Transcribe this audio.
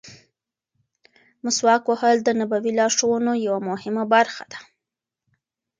مسواک وهل د نبوي لارښوونو یوه مهمه برخه ده.